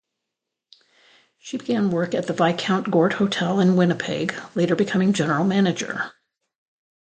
She began work at the Viscount Gort Hotel in Winnipeg, later becoming general manager.